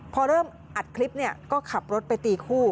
พอเริ่มอัดคลิปเนี่ยก็ขับรถไปตีคู่